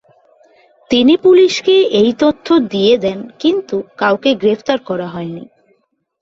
তিনি পুলিশকে এই তথ্য দিয়ে দেন, কিন্তু কাউকে গ্রেপ্তার করা হয়নি।